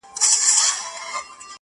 چي ته راځې تر هغو خاندمه” خدایان خندوم”